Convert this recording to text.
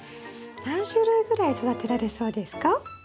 何種類ぐらい育てられそうですか？